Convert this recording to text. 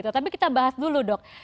tapi kita bahas dulu dok